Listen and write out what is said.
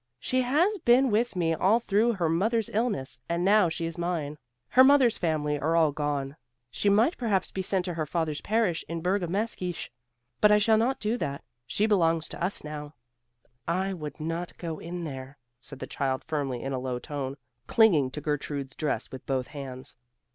"She has been with me all through her mother's illness, and now she is mine. Her mother's family are all gone. She might perhaps be sent to her father's parish in Bergamaskische, but I shall not do that; she belongs now to us." "I would not go there," said the child firmly in a low tone, clinging to Gertrude's dress with both hands.